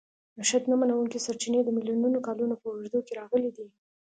نوښت نه منونکي سرچینې د میلیونونو کالونو په اوږدو کې راغلي دي.